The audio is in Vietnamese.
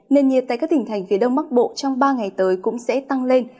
nền nhiệt tại các tỉnh thành phía đông bắc bộ trong ba ngày tới cũng sẽ tăng lên